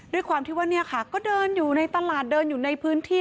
ด้วยความที่ว่าเนี่ยค่ะก็เดินอยู่ในตลาดเดินอยู่ในพื้นที่